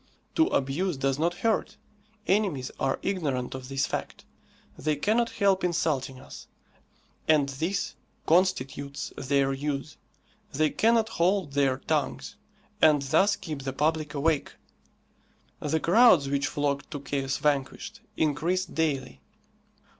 To abuse does not hurt. Enemies are ignorant of this fact. They cannot help insulting us, and this constitutes their use. They cannot hold their tongues, and thus keep the public awake. The crowds which flocked to "Chaos Vanquished" increased daily.